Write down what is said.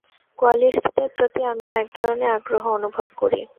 কোয়ালিস্টদের প্রতি আমিও এক ধরনের আগ্রহ অনুভব করি।